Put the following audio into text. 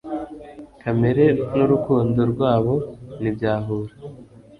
Kamere nurukundo rwabo ntibyahura